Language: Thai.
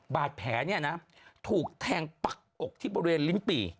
บาดแผลเนี่ยนะถูกแทงปักอกที่บริเวณลิ้นปี่